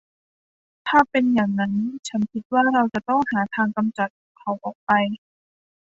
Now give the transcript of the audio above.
ถ้าเป็นอย่างงั้น ฉันคิดว่าเราจะต้องหาทางกำจัดเขาออกไป